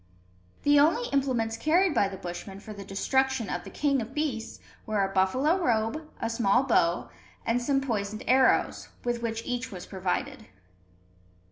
The only implements carried by the Bushmen for the destruction of the king of beasts were a buffalo robe, a small bow, and some poisoned arrows, with which each was provided.